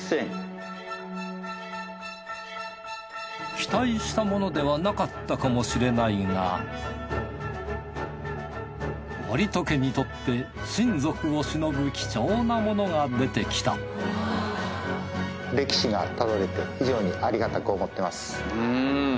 期待したものではなかったかもしれないが森戸家にとって親族をしのぶ貴重なものが出てきた歴史がたどれて非常にありがたく思ってます。